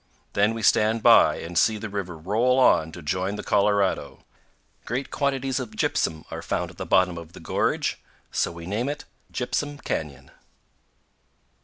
Then we stand by and see the river roll on to join the Colorado. Great quantities of gypsum are found at the bottom of the gorge; so we name it Gypsum Canyon.